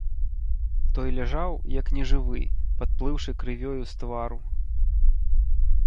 Той ляжаў, як нежывы, падплыўшы крывёю з твару.